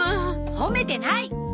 褒めてない！